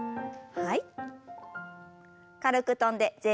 はい。